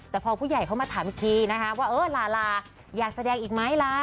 แต่พอผู้ใหญ่เขามาถามอีกทีนะคะว่าเออลาลาอยากแสดงอีกไหมล่ะ